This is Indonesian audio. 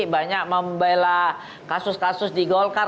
banyak membela kasus kasus di golkar